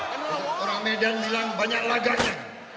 orang medan bilang banyak lagaknya